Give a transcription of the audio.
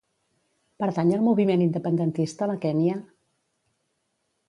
Pertany al moviment independentista la Kenia?